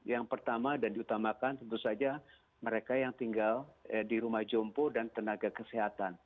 yang pertama dan diutamakan tentu saja mereka yang tinggal di rumah jompo dan tenaga kesehatan